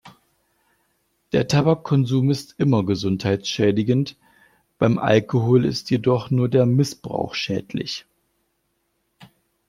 Der Tabakkonsum ist immer gesundheitsschädigend, beim Alkohol ist jedoch nur der Missbrauch schädlich.